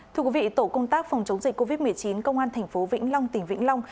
thưa quý vị tổ công tác phòng chống dịch covid một mươi chín công an thành phố vĩnh long tỉnh vĩnh long